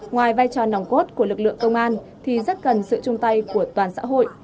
ngoài vai trò nòng cốt của lực lượng công an thì rất cần sự chung tay của toàn xã hội